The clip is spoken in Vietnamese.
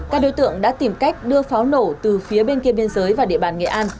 các đối tượng đã tìm cách đưa pháo nổ từ phía bên kia biên giới vào địa bàn nghệ an